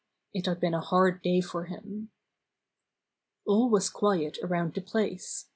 It had been a hard day for him. All was quiet around the place.